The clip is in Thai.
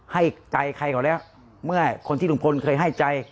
โปรดติดตามต่อไป